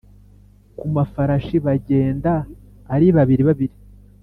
ku mafarashi bagenda ari babiri babiri